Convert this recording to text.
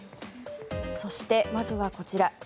そして、まずはこちら。